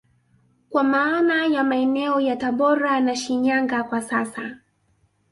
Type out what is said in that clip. Kwa maana ya maeneo ya tabora na Shinyanga kwa sasa